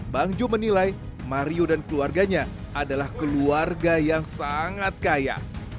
bang ju menilai mario dan keluarganya adalah keluarga yang sangat kaya